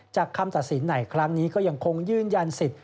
คำตัดสินในครั้งนี้ก็ยังคงยืนยันสิทธิ